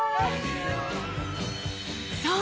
そう！